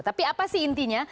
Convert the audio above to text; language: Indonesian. tapi apa sih intinya